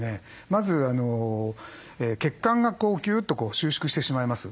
まず血管がこうギュッと収縮してしまいます。